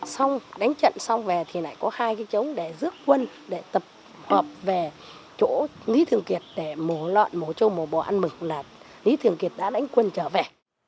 xong đánh trận xong về thì lại có hai cái chống để rước quân để tập hợp về chỗ ný thường kiệt để mổ lợn mổ châu mổ bò ăn mực là ný thường kiệt đã đánh quân trở về